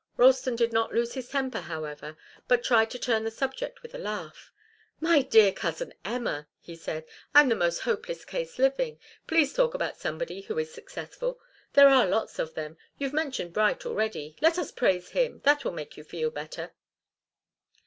Ralston did not lose his temper, however, but tried to turn the subject with a laugh. "My dear cousin Emma," he said, "I'm the most hopeless case living. Please talk about somebody who is successful. There are lots of them. You've mentioned Bright already. Let us praise him. That will make you feel better."